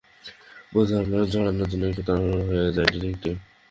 বোধহয় আপনার জড়ানোটা একটু তাড়াহুড়ো হয়ে যায়, ডিটেকটিভ।